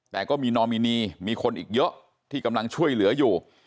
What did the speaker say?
แต่ก็มีนอมินีมีคนอีกเยอะที่กำลังช่วยเหลืออยู่